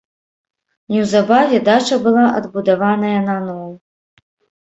Неўзабаве дача была адбудаваная наноў.